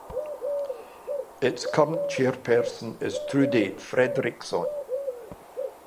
Its current chairperson is Trudy Fredriksson.